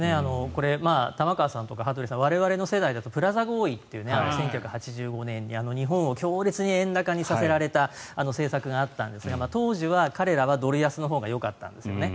これ、玉川さんとか羽鳥さんとか我々の世代だとプラザ合意という日本を強烈に円高にさせられた政策があったんですが当時は彼らはドル安のほうがよかったんですね。